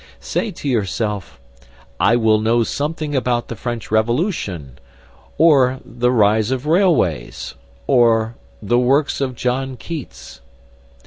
Say to yourself: "I will know something about the French Revolution, or the rise of railways, or the works of John Keats."